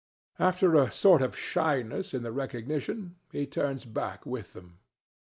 After a sort of shyness in the recognition, he turns back with them.